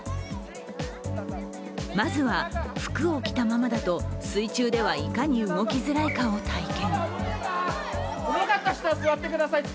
まずは服を着たままだと水中ではいかに動きづらいかを体験。